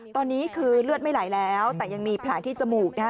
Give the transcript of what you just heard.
ตอนนี้คือเลือดไม่ไหลแล้วแต่ยังมีแผลที่จมูกนะฮะ